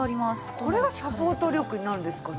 これがサポート力になるんですかね。